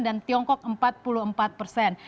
dan tiongkok empat puluh empat persen